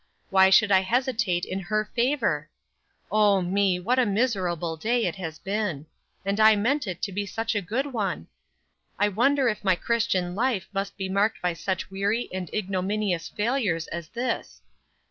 Why should I hesitate in her favor? Oh, me, what a miserable day it has been! and I meant it to be such a good one! I wonder if my Christian life must be marked by such weary and ignominious failures as this?